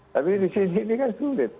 tapi di sini kan sulit